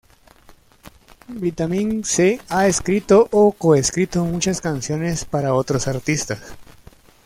Vitamin C ha escrito o co-escrito muchas canciones para otros artistas.